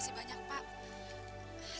saya makasih banyak pak